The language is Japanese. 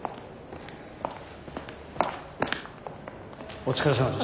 お疲れさまです。